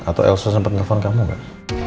atau elsa sempet nge phone kamu gak